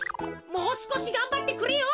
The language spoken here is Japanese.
もうすこしがんばってくれよ。